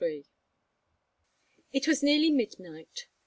XXIII It was nearly midnight.